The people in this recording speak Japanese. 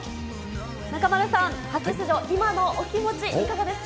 中丸さん、初出場、今のお気持ち、いかがですか。